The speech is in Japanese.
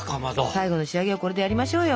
最後の仕上げはこれでやりましょうよ。